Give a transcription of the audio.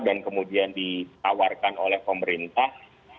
dan kemudian ditawarkan oleh pemerintah